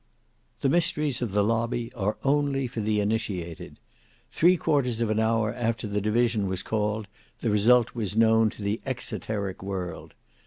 The mysteries of the Lobby are only for the initiated. Three quarters of an hour after the division was called, the result was known to the exoteric world.